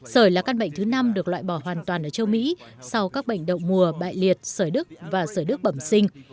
sởi là căn bệnh thứ năm được loại bỏ hoàn toàn ở châu mỹ sau các bệnh đậu mùa bại liệt sởi đức và sởi đức bẩm sinh